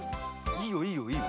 いいよいいよいいよ。